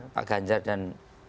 pak ganjar dan